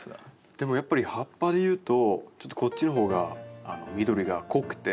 でもやっぱり葉っぱでいうとちょっとこっちのほうが緑が濃くて。